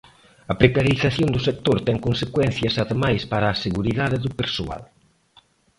A precarización do sector ten consecuencias ademais para a seguridade do persoal.